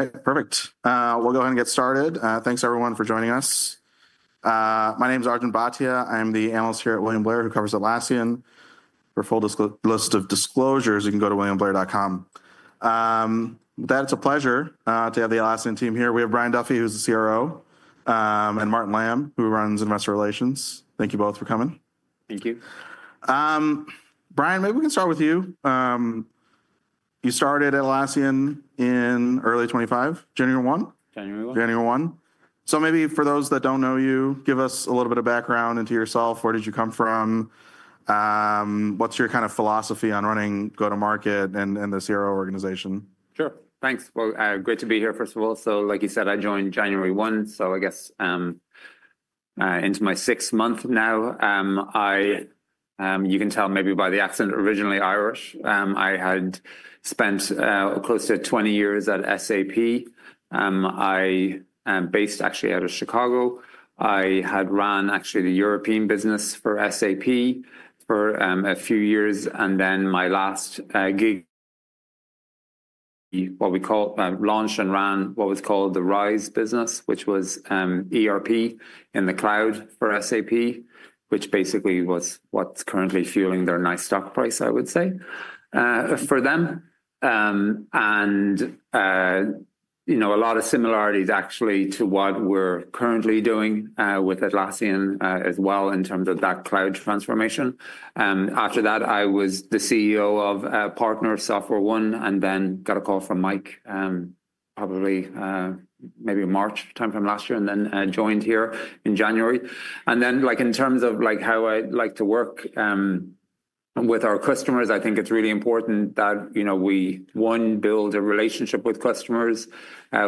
All right, perfect. We'll go ahead and get started. Thanks, everyone, for joining us. My name is Arjun Bhatia. I am the analyst here at William Blair, who covers Atlassian. For a full list of disclosures, you can go to williamblair.com. With that, it's a pleasure to have the Atlassian team here. We have Brian Duffy, who's the CRO, and Martin Lam, who runs investor relations. Thank you both for coming. Thank you. Brian, maybe we can start with you. You started at Atlassian in early 2025, January 1? January 1. January 1. Maybe for those that don't know you, give us a little bit of background into yourself. Where did you come from? What's your kind of philosophy on running go-to-market and the CRO organization? Sure. Thanks. Great to be here, first of all. Like you said, I joined January 1, so I guess into my sixth month now. You can tell maybe by the accent, originally Irish. I had spent close to 20 years at SAP. I am based, actually, out of Chicago. I had ran, actually, the European business for SAP for a few years. My last gig, what we call launch and ran what was called the RISE business, which was ERP in the cloud for SAP, which basically was what's currently fueling their nice stock price, I would say, for them. A lot of similarities, actually, to what we're currently doing with Atlassian as well in terms of that cloud transformation. After that, I was the CEO of partner SoftwareOne, and then got a call from Mike, probably maybe March time from last year, and then joined here in January. In terms of how I like to work with our customers, I think it's really important that we, one, build a relationship with customers.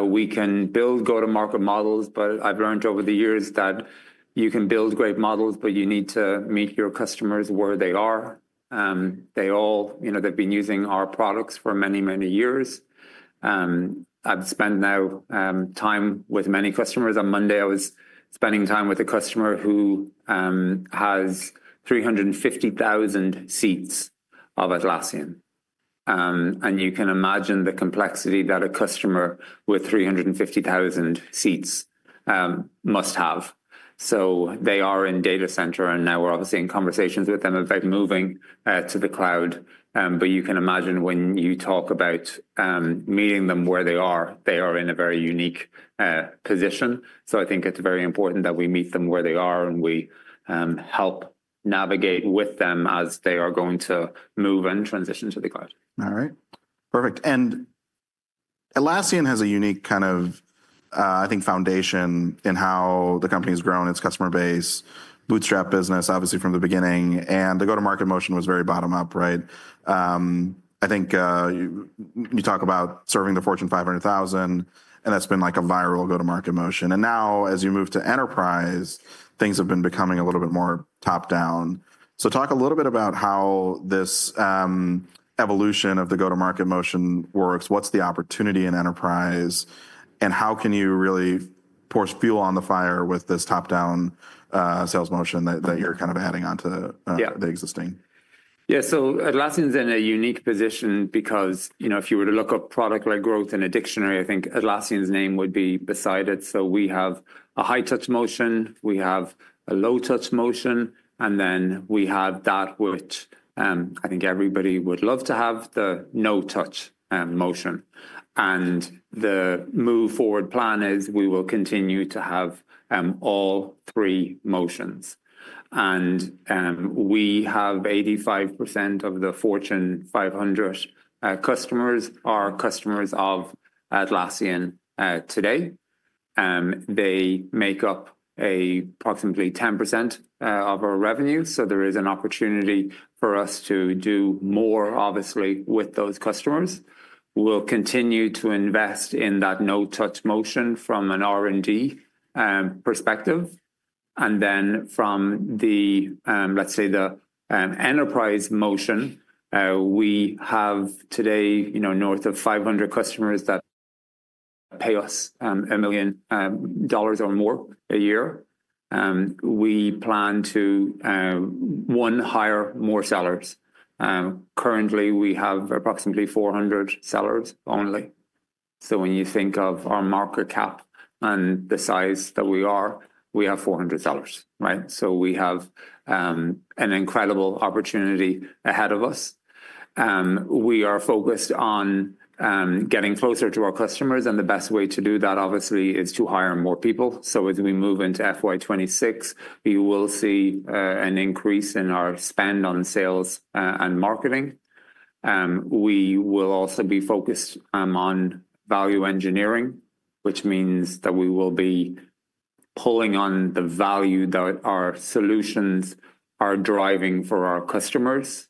We can build go-to-market models, but I've learned over the years that you can build great models, but you need to meet your customers where they are. They all, they've been using our products for many, many years. I've spent now time with many customers. On Monday, I was spending time with a customer who has 350,000 seats of Atlassian. You can imagine the complexity that a customer with 350,000 seats must have. They are in data center, and now we're obviously in conversations with them about moving to the cloud. You can imagine when you talk about meeting them where they are, they are in a very unique position. I think it's very important that we meet them where they are and we help navigate with them as they are going to move and transition to the cloud. All right. Perfect. Atlassian has a unique kind of, I think, foundation in how the company has grown its customer base, bootstrap business, obviously, from the beginning. The go-to-market motion was very bottom-up, right? I think you talk about serving the Fortune 500,000 and that's been like a viral go-to-market motion. Now, as you move to enterprise, things have been becoming a little bit more top-down. Talk a little bit about how this evolution of the go-to-market motion works. What's the opportunity in enterprise, and how can you really pour fuel on the fire with this top-down sales motion that you're kind of adding on to the existing? Yeah. Atlassian's in a unique position because if you were to look up product-led growth in a dictionary, I think Atlassian's name would be beside it. We have a high-touch motion. We have a low-touch motion. We have that which I think everybody would love to have, the no-touch motion. The move forward plan is we will continue to have all three motions. We have 85% of the Fortune 500 customers are customers of Atlassian today. They make up approximately 10% of our revenue. There is an opportunity for us to do more, obviously, with those customers. We'll continue to invest in that no-touch motion from an R&D perspective. From the, let's say, the enterprise motion, we have today north of 500 customers that pay us $1 million or more a year. We plan to, one, hire more sellers. Currently, we have approximately 400 sellers only. When you think of our market cap and the size that we are, we have 400 sellers, right? We have an incredible opportunity ahead of us. We are focused on getting closer to our customers. The best way to do that, obviously, is to hire more people. As we move into FY2026, we will see an increase in our spend on sales and marketing. We will also be focused on value engineering, which means that we will be pulling on the value that our solutions are driving for our customers.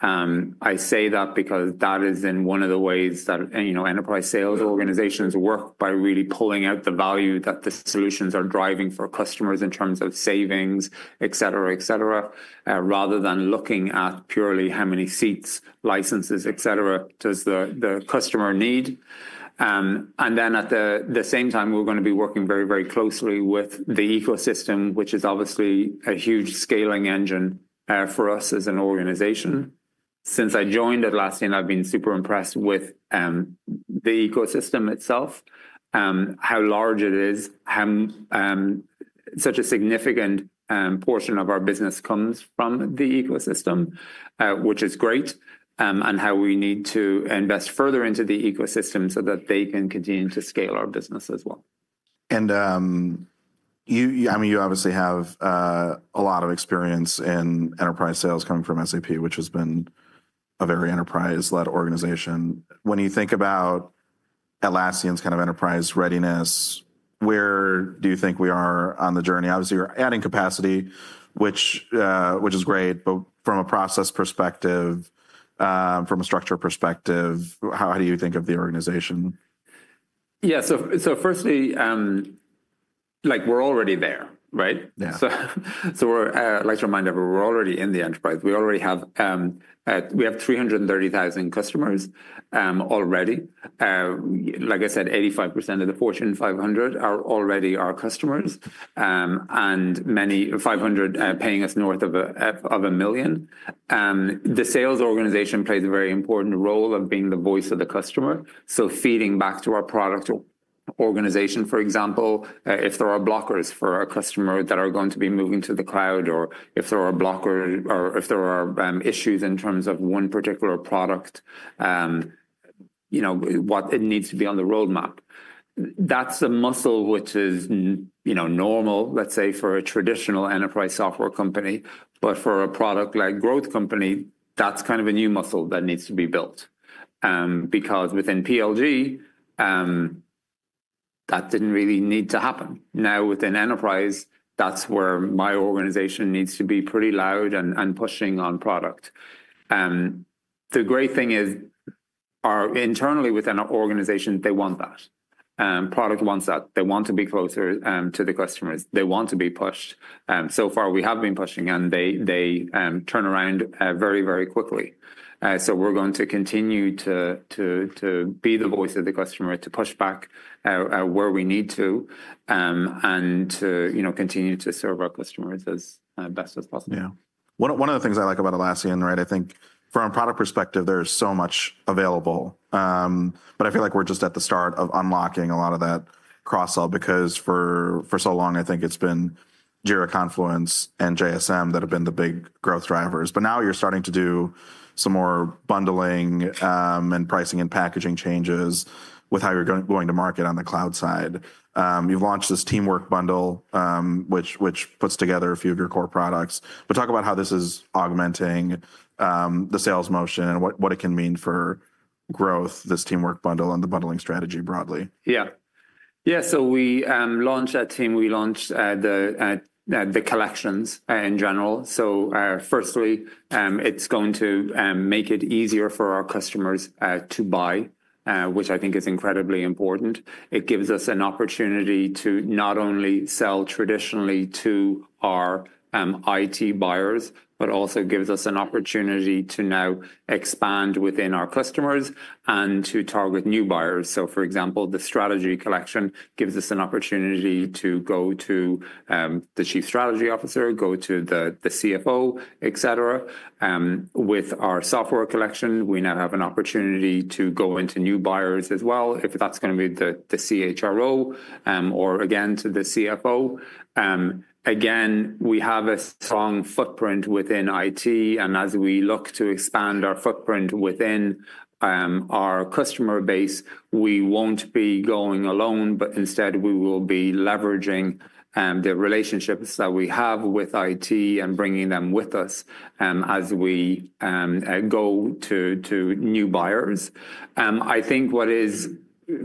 I say that because that is in one of the ways that enterprise sales organizations work by really pulling out the value that the solutions are driving for customers in terms of savings, et cetera, et cetera, rather than looking at purely how many seats, licenses, et cetera, does the customer need. At the same time, we're going to be working very, very closely with the ecosystem, which is obviously a huge scaling engine for us as an organization. Since I joined Atlassian, I've been super impressed with the ecosystem itself, how large it is, how such a significant portion of our business comes from the ecosystem, which is great, and how we need to invest further into the ecosystem so that they can continue to scale our business as well. I mean, you obviously have a lot of experience in enterprise sales coming from SAP, which has been a very enterprise-led organization. When you think about Atlassian's kind of enterprise readiness, where do you think we are on the journey? Obviously, you're adding capacity, which is great. From a process perspective, from a structure perspective, how do you think of the organization? Yeah. Firstly, we're already there, right? Yeah. I'd like to remind everyone, we're already in the enterprise. We have 330,000 customers already. Like I said, 85% of the Fortune 500 are already our customers, and many 500 paying us north of $1 million. The sales organization plays a very important role of being the voice of the customer. Feeding back to our product organization, for example, if there are blockers for our customer that are going to be moving to the cloud, or if there are blockers, or if there are issues in terms of one particular product, what it needs to be on the roadmap. That's a muscle which is normal, let's say, for a traditional enterprise software company. For a product-led growth company, that's kind of a new muscle that needs to be built. Because within PLG, that didn't really need to happen. Now, within enterprise, that's where my organization needs to be pretty loud and pushing on product. The great thing is, internally within our organization, they want that. Product wants that. They want to be closer to the customers. They want to be pushed. So far, we have been pushing, and they turn around very, very quickly. We are going to continue to be the voice of the customer, to push back where we need to, and to continue to serve our customers as best as possible. Yeah. One of the things I like about Atlassian, right, I think from a product perspective, there's so much available. I feel like we're just at the start of unlocking a lot of that cross-sell because for so long, I think it's been Jira, Confluence, and JSM that have been the big growth drivers. Now you're starting to do some more bundling and pricing and packaging changes with how you're going to market on the cloud side. You've launched this Teamwork bundle, which puts together a few of your core products. Talk about how this is augmenting the sales motion and what it can mean for growth, this Teamwork bundle and the bundling strategy broadly. Yeah. Yeah. We launched that team. We launched the collections in general. Firstly, it is going to make it easier for our customers to buy, which I think is incredibly important. It gives us an opportunity to not only sell traditionally to our IT buyers, but also gives us an opportunity to now expand within our customers and to target new buyers. For example, the Strategy Collection gives us an opportunity to go to the Chief Strategy Officer, go to the CFO, et cetera. With our Software Collection, we now have an opportunity to go into new buyers as well, if that is going to be the CHRO or, again, to the CFO. Again, we have a strong footprint within IT. As we look to expand our footprint within our customer base, we will not be going alone, but instead, we will be leveraging the relationships that we have with IT and bringing them with us as we go to new buyers. I think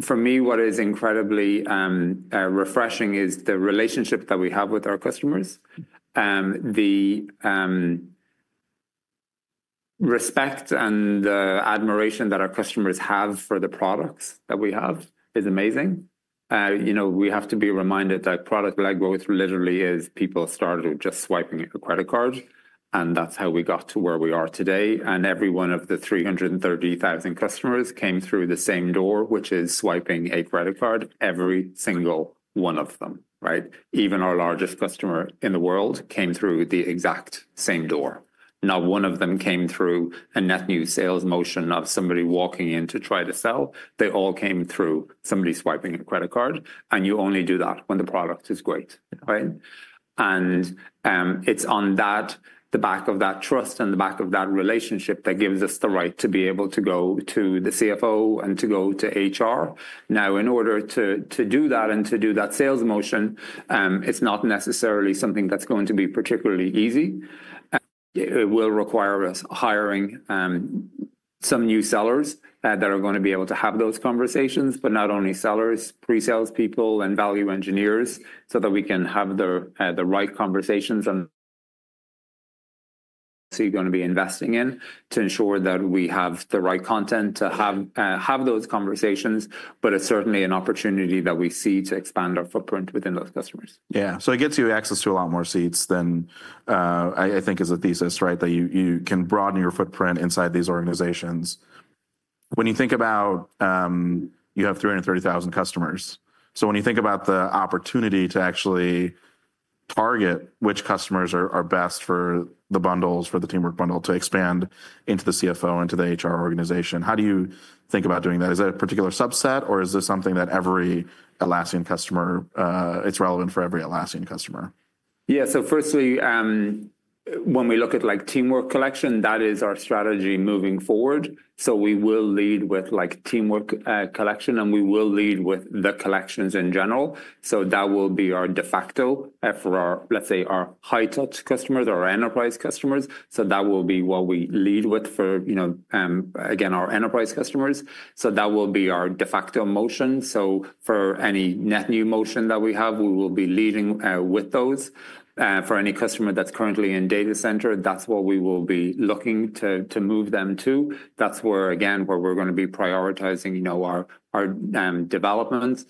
for me, what is incredibly refreshing is the relationship that we have with our customers. The respect and admiration that our customers have for the products that we have is amazing. We have to be reminded that product-led growth literally is people started with just swiping a credit card. That is how we got to where we are today. Every one of the 330,000 customers came through the same door, which is swiping a credit card, every single one of them, right? Even our largest customer in the world came through the exact same door. Not one of them came through a net new sales motion of somebody walking in to try to sell. They all came through somebody swiping a credit card. You only do that when the product is great, right? It is on the back of that trust and the back of that relationship that gives us the right to be able to go to the CFO and to go to HR. In order to do that and to do that sales motion, it is not necessarily something that is going to be particularly easy. It will require us hiring some new sellers that are going to be able to have those conversations, but not only sellers, pre-salespeople, and value engineers, so that we can have the right conversations on the things we are going to be investing in to ensure that we have the right content to have those conversations. It is certainly an opportunity that we see to expand our footprint within those customers. Yeah. It gets you access to a lot more seats than, I think, is a thesis, right, that you can broaden your footprint inside these organizations. When you think about you have 330,000 customers. When you think about the opportunity to actually target which customers are best for the bundles, for the Teamwork bundle to expand into the CFO, into the HR organization, how do you think about doing that? Is that a particular subset, or is this something that every Atlassian customer, it's relevant for every Atlassian customer? Yeah. Firstly, when we look at Teamwork collection, that is our strategy moving forward. We will lead with Teamwork collection, and we will lead with the collections in general. That will be our de facto for, let's say, our high-touch customers or our enterprise customers. That will be what we lead with for, again, our enterprise customers. That will be our de facto motion. For any net new motion that we have, we will be leading with those. For any customer that's currently in data center, that's what we will be looking to move them to. That's where, again, we're going to be prioritizing our developments.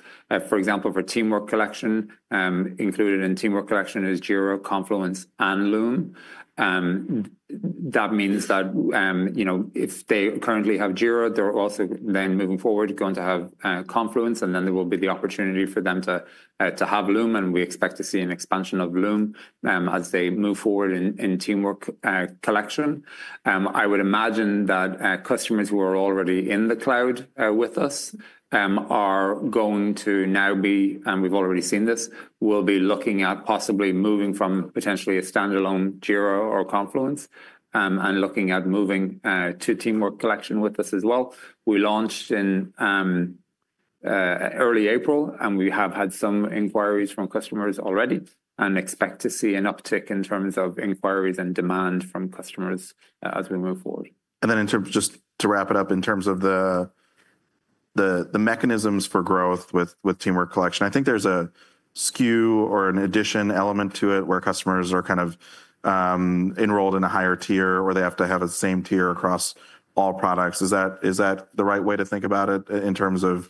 For example, for Teamwork collection, included in Teamwork collection is Jira, Confluence, and Loom. That means that if they currently have Jira, they're also then moving forward going to have Confluence, and then there will be the opportunity for them to have Loom. We expect to see an expansion of Loom as they move forward in Teamwork collection. I would imagine that customers who are already in the cloud with us are going to now be, and we've already seen this, will be looking at possibly moving from potentially a standalone Jira or Confluence and looking at moving to Teamwork collection with us as well. We launched in early April, and we have had some inquiries from customers already and expect to see an uptick in terms of inquiries and demand from customers as we move forward. Just to wrap it up in terms of the mechanisms for growth with Teamwork collection, I think there's a SKU or an addition element to it where customers are kind of enrolled in a higher tier or they have to have the same tier across all products. Is that the right way to think about it in terms of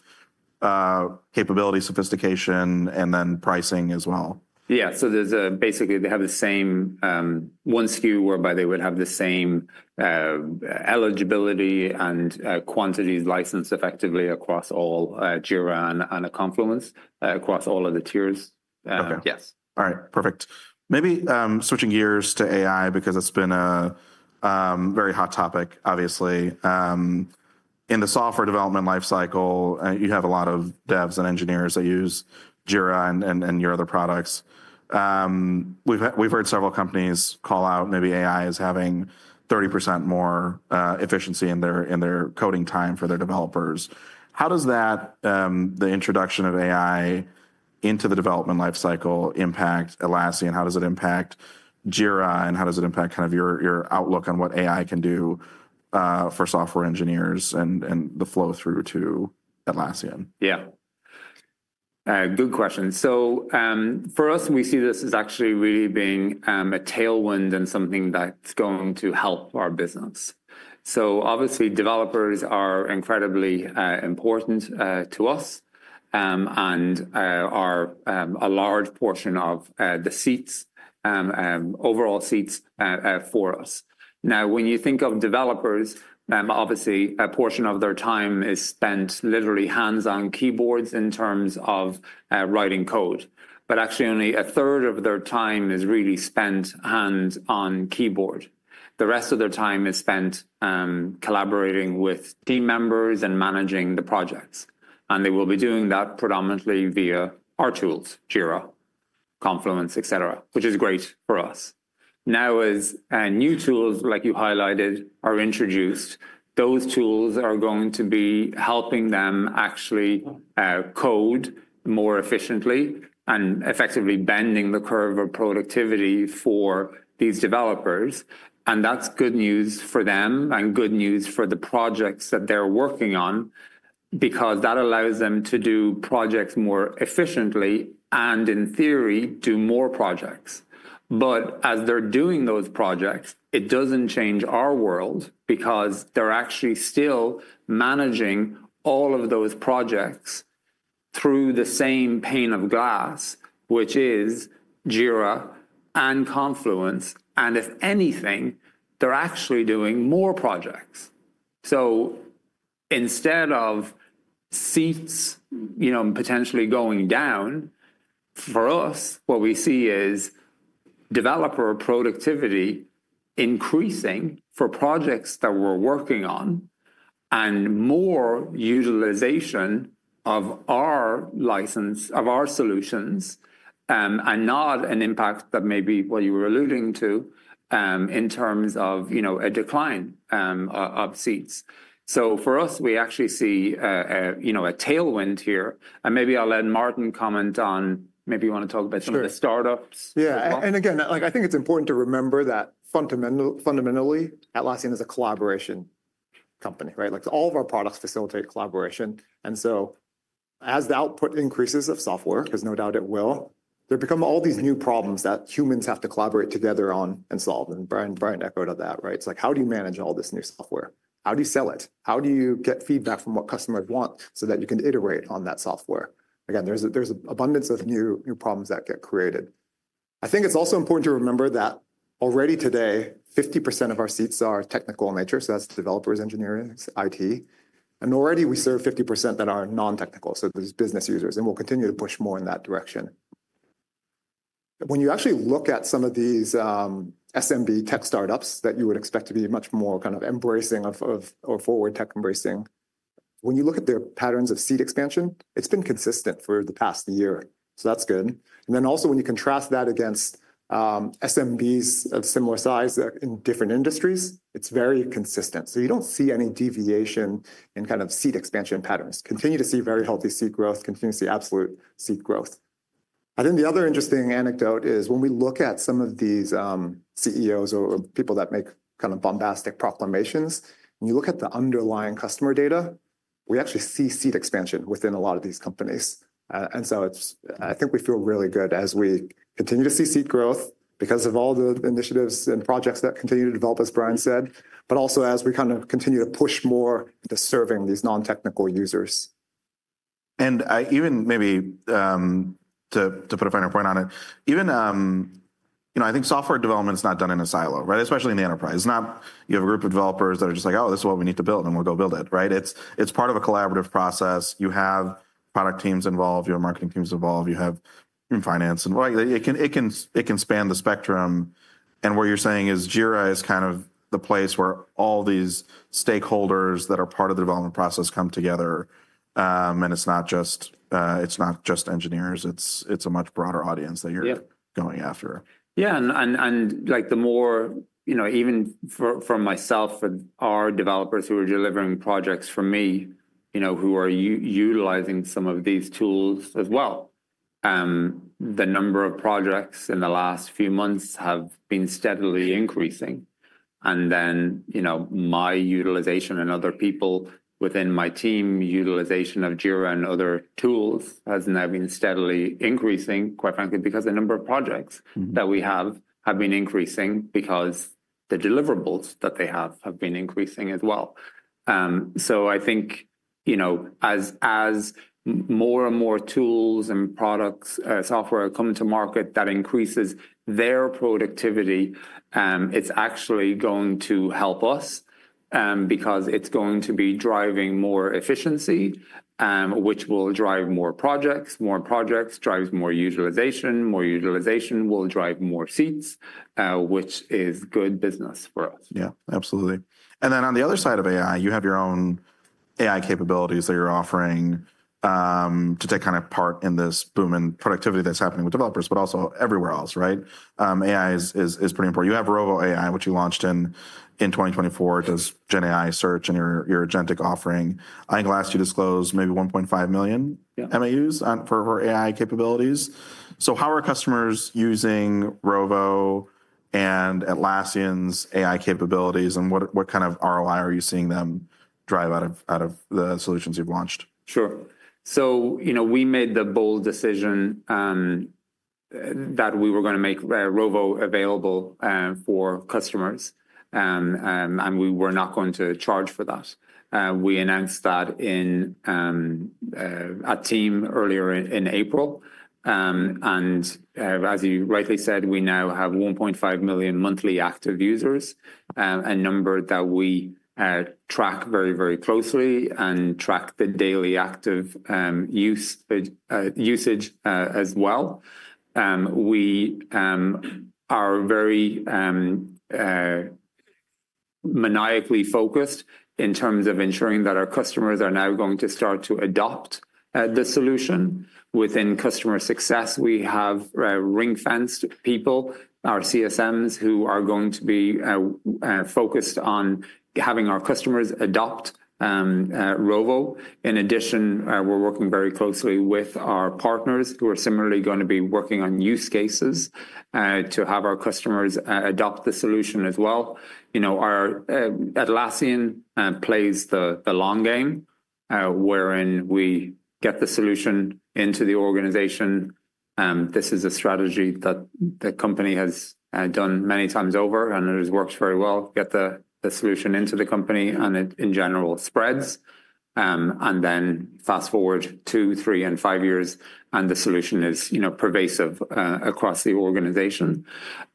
capability, sophistication, and then pricing as well? Yeah. So basically, they have the same one SKU whereby they would have the same eligibility and quantities licensed effectively across all Jira and Confluence across all of the tiers. Yes. All right. Perfect. Maybe switching gears to AI because it's been a very hot topic, obviously. In the software development lifecycle, you have a lot of devs and engineers that use Jira and your other products. We've heard several companies call out maybe AI is having 30% more efficiency in their coding time for their developers. How does the introduction of AI into the development lifecycle impact Atlassian? How does it impact Jira, and how does it impact kind of your outlook on what AI can do for software engineers and the flow through to Atlassian? Yeah. Good question. For us, we see this as actually really being a tailwind and something that's going to help our business. Obviously, developers are incredibly important to us and are a large portion of the seats, overall seats for us. Now, when you think of developers, obviously, a portion of their time is spent literally hands on keyboards in terms of writing code. Actually, only a third of their time is really spent hands on keyboard. The rest of their time is spent collaborating with team members and managing the projects. They will be doing that predominantly via our tools, Jira, Confluence, et cetera, which is great for us. As new tools like you highlighted are introduced, those tools are going to be helping them actually code more efficiently and effectively, bending the curve of productivity for these developers. That is good news for them and good news for the projects that they are working on because that allows them to do projects more efficiently and, in theory, do more projects. As they are doing those projects, it does not change our world because they are actually still managing all of those projects through the same pane of glass, which is Jira and Confluence. If anything, they are actually doing more projects. Instead of seats potentially going down, for us, what we see is developer productivity increasing for projects that we are working on and more utilization of our license, of our solutions, and not an impact that may be what you were alluding to in terms of a decline of seats. For us, we actually see a tailwind here. Maybe I will let Martin comment on, maybe you want to talk about some of the startups. Yeah. I think it's important to remember that fundamentally, Atlassian is a collaboration company, right? All of our products facilitate collaboration. As the output increases of software, because no doubt it will, there become all these new problems that humans have to collaborate together on and solve. Brian echoed that, right? It's like, how do you manage all this new software? How do you sell it? How do you get feedback from what customers want so that you can iterate on that software? There's an abundance of new problems that get created. I think it's also important to remember that already today, 50% of our seats are technical in nature. That's developers, engineers, IT. Already we serve 50% that are non-technical. There's business users. We'll continue to push more in that direction. When you actually look at some of these SMB tech startups that you would expect to be much more kind of embracing or forward-tech embracing, when you look at their patterns of seat expansion, it's been consistent for the past year. That is good. Also, when you contrast that against SMBs of similar size in different industries, it's very consistent. You do not see any deviation in kind of seat expansion patterns. Continue to see very healthy seat growth, continue to see absolute seat growth. I think the other interesting anecdote is when we look at some of these CEOs or people that make kind of bombastic proclamations, and you look at the underlying customer data, we actually see seat expansion within a lot of these companies. I think we feel really good as we continue to see seat growth because of all the initiatives and projects that continue to develop, as Brian said, but also as we kind of continue to push more into serving these non-technical users. Even maybe to put a finer point on it, I think software development is not done in a silo, right? Especially in the enterprise. You have a group of developers that are just like, oh, this is what we need to build, and we'll go build it, right? It is part of a collaborative process. You have product teams involved, you have marketing teams involved, you have finance. It can span the spectrum. What you are saying is Jira is kind of the place where all these stakeholders that are part of the development process come together. It is not just engineers. It's a much broader audience that you're going after. Yeah. Even for myself and our developers who are delivering projects for me who are utilizing some of these tools as well, the number of projects in the last few months have been steadily increasing. My utilization and other people within my team utilization of Jira and other tools has now been steadily increasing, quite frankly, because the number of projects that we have have been increasing because the deliverables that they have have been increasing as well. I think as more and more tools and products, software come to market that increases their productivity, it's actually going to help us because it's going to be driving more efficiency, which will drive more projects. More projects drive more utilization. More utilization will drive more seats, which is good business for us. Yeah. Absolutely. On the other side of AI, you have your own AI capabilities that you're offering to take kind of part in this boom in productivity that's happening with developers, but also everywhere else, right? AI is pretty important. You have Rovo AI, which you launched in 2024, does Gen AI search and your agentic offering. I think last you disclosed maybe 1.5 million MAUs for AI capabilities. How are customers using Rovo and Atlassian's AI capabilities, and what kind of ROI are you seeing them drive out of the solutions you've launched? Sure. We made the bold decision that we were going to make Rovo available for customers, and we were not going to charge for that. We announced that in a team earlier in April. As you rightly said, we now have 1.5 million monthly active users, a number that we track very, very closely and track the daily active usage as well. We are very maniacally focused in terms of ensuring that our customers are now going to start to adopt the solution. Within customer success, we have ring-fenced people, our CSMs, who are going to be focused on having our customers adopt Rovo. In addition, we are working very closely with our partners who are similarly going to be working on use cases to have our customers adopt the solution as well. Atlassian plays the long game, wherein we get the solution into the organization. This is a strategy that the company has done many times over, and it has worked very well. Get the solution into the company, and it, in general, spreads. Fast forward two, three, and five years, and the solution is pervasive across the organization.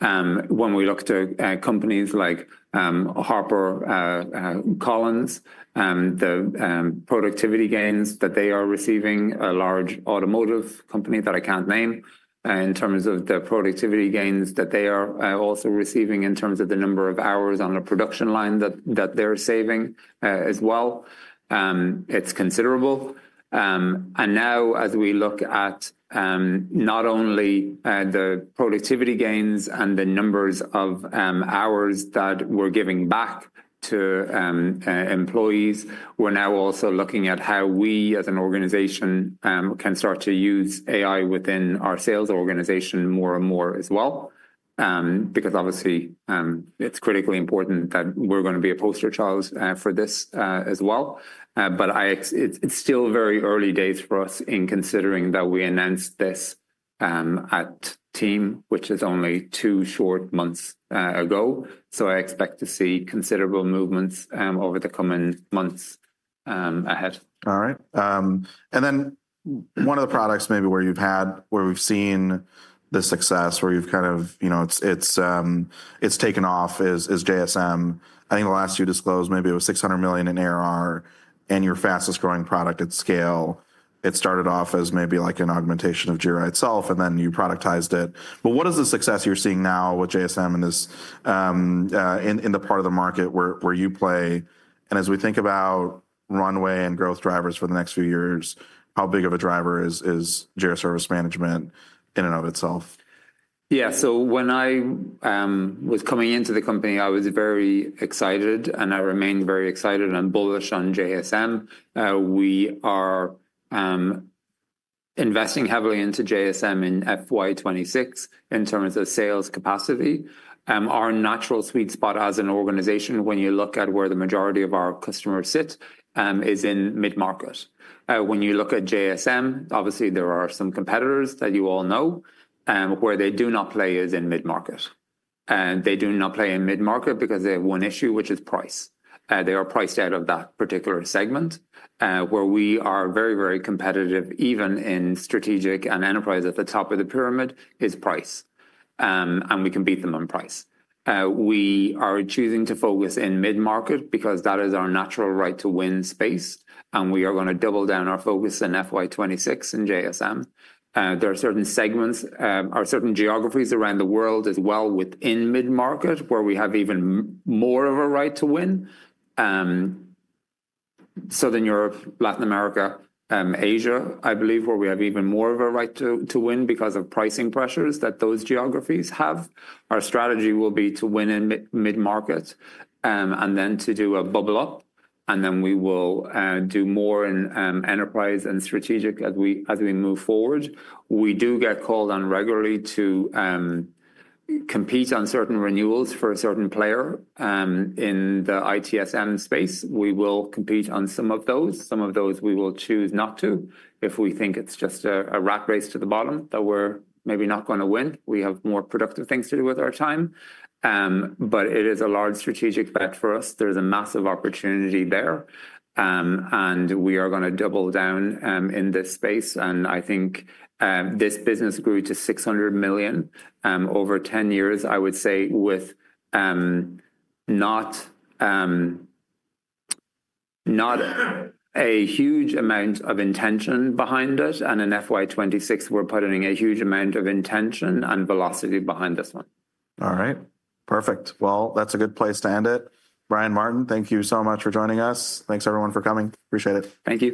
When we look to companies like HarperCollins, the productivity gains that they are receiving, a large automotive company that I can't name in terms of the productivity gains that they are also receiving in terms of the number of hours on the production line that they're saving as well, it's considerable. Now, as we look at not only the productivity gains and the numbers of hours that we're giving back to employees, we're now also looking at how we, as an organization, can start to use AI within our sales organization more and more as well. Because obviously, it's critically important that we're going to be a poster child for this as well. It is still very early days for us in considering that we announced this at Team, which is only two short months ago. I expect to see considerable movements over the coming months ahead. All right. One of the products maybe where you've had, where we've seen the success, where you've kind of, it's taken off is JSM. I think the last you disclosed, maybe it was $600 million in ARR and your fastest growing product at scale. It started off as maybe like an augmentation of Jira itself, and then you productized it. What is the success you're seeing now with JSM in the part of the market where you play? As we think about runway and growth drivers for the next few years, how big of a driver is Jira Service Management in and of itself? Yeah. When I was coming into the company, I was very excited, and I remain very excited and bullish on JSM. We are investing heavily into JSM in FY2026 in terms of sales capacity. Our natural sweet spot as an organization, when you look at where the majority of our customers sit, is in mid-market. When you look at JSM, obviously, there are some competitors that you all know. Where they do not play is in mid-market. They do not play in mid-market because they have one issue, which is price. They are priced out of that particular segment. Where we are very, very competitive, even in strategic and enterprise at the top of the pyramid, is price. We can beat them on price. We are choosing to focus in mid-market because that is our natural right to win space. We are going to double down our focus in FY2026 and JSM. There are certain segments, or certain geographies around the world as well within mid-market where we have even more of a right to win. Southern Europe, Latin America, Asia, I believe, where we have even more of a right to win because of pricing pressures that those geographies have. Our strategy will be to win in mid-market and then to do a bubble up. We will do more in enterprise and strategic as we move forward. We do get called on regularly to compete on certain renewals for a certain player in the ITSM space. We will compete on some of those. Some of those we will choose not to if we think it's just a rat race to the bottom that we're maybe not going to win. We have more productive things to do with our time. It is a large strategic bet for us. There's a massive opportunity there. We are going to double down in this space. I think this business grew to $600 million over 10 years, I would say, with not a huge amount of intention behind it. In fiscal year 2026, we're putting a huge amount of intention and velocity behind this one. All right. Perfect. That's a good place to end it. Brian, Martin, thank you so much for joining us. Thanks, everyone, for coming. Appreciate it. Thank you.